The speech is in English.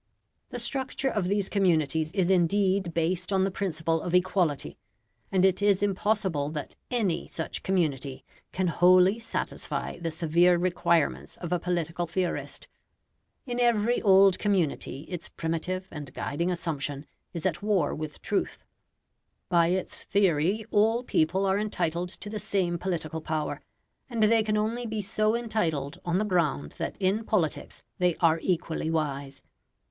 The structure of these communities is indeed based on the principle of equality, and it is impossible that ANY such community can wholly satisfy the severe requirements of a political theorist. In every old community its primitive and guiding assumption is at war with truth. By its theory all people are entitled to the same political power, and they can only be so entitled on the ground that in politics they are equally wise.